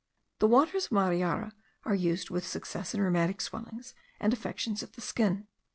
The waters of Mariara are used with success in rheumatic swellings, and affections of the skin.